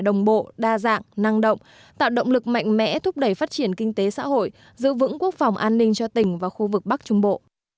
đồng bộ đa dạng năng động tạo động lực mạnh mẽ thúc đẩy phát triển kinh tế xã hội giữ vững quốc phòng an ninh cho tỉnh và khu vực bắc trung bộ